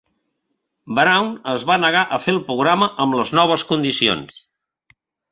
Brown es va negar a fer el programa amb les noves condicions.